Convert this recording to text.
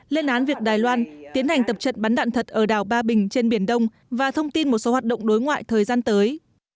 lên án việc đài loan tiến hành tập trận bắn đạn thật ở đảo ba bình trên biển đông và thông tin một số hoạt động đối ngoại thời gian tới